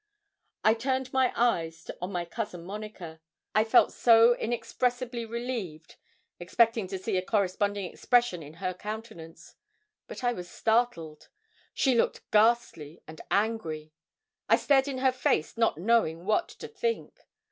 I turned my eyes on my cousin Monica I felt so inexpressibly relieved expecting to see a corresponding expression in her countenance. But I was startled. She looked ghastly and angry. I stared in her face, not knowing what to think.